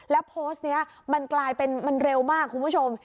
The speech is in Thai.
แล้วโพสต์นี้มันกลายเป็นมันเร็วมากคุณผู้ชม